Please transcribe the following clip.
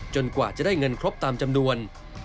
กว่าจะได้เงินครบตามจำนวน